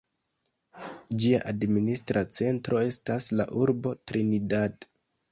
Ĝia administra centro estas la urbo Trinidad.